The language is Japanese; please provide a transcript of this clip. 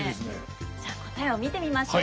じゃあ答えを見てみましょう。